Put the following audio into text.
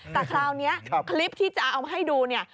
แต่คราวนี้คลิปที่จะเอามาให้ดูเนี่ย